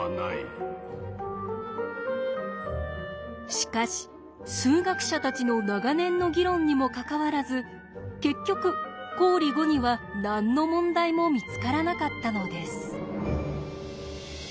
しかし数学者たちの長年の議論にもかかわらず結局公理５には何の問題も見つからなかったのです。